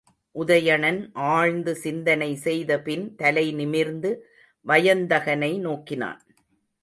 உதயணன் ஆழ்ந்து சிந்தனை செய்தபின் தலைநிமிர்ந்து வயந்தகனை நோக்கினான்.